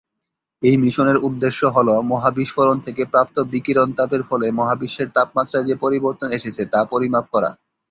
এই মিশনের উদ্দেশ্য হল, মহা বিস্ফোরণ থেকে প্রাপ্ত বিকীর্ণ তাপের ফলে মহাবিশ্বের তাপমাত্রায় যে পরিবর্তন এসেছে তা পরিমাপ করা।